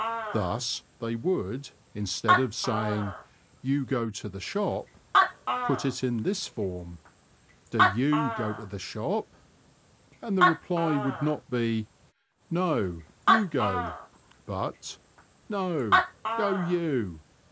Thus, they would, instead of saying, ''You go to the shop,'' put it in this form :" Do you go to the shop ''; and the reply would not be :" No ; you go," but " No ; go you."